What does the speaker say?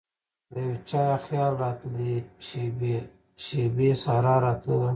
دیو چا خیال راتلي شیبې ،شیبې سارا راتلله